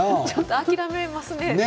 諦めますよね。